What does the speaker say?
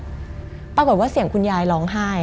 มันกลายเป็นรูปของคนที่กำลังขโมยคิ้วแล้วก็ร้องไห้อยู่